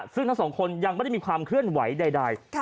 ซึ่งทั้งสองคนยังไม่ได้มีความเคลื่อนไหวใด